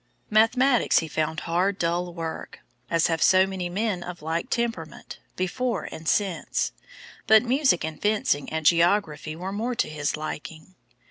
Mathematics he found hard dull work, as have so many men of like temperament, before and since, but music and fencing and geography were more to his liking.